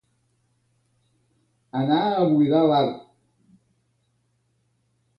Anar a buidar l'art.